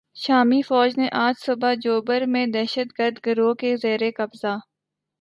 شامی فوج نے آج صبح "جوبر" میں دہشتگرد گروہ کے زیر قبضہ